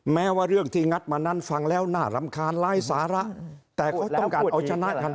แม้ว่าเรื่องที่งัดมานั้นฟังแล้วน่ารำคาญร้ายสาระแต่ก็ต้องการเอาชนะทัน